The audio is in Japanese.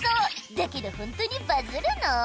だけどホントにバズるの？